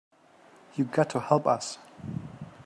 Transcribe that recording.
You got to help us.